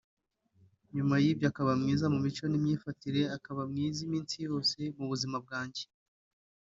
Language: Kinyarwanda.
nyuma y'ibyo akaba mwiza mu mico n'imyifatire akaba mwiza iminsi yose mu buzima bwanjye